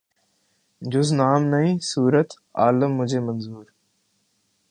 جز نام نہیں صورت عالم مجھے منظور